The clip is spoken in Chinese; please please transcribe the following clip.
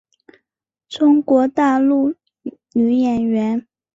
中国大陆女演员。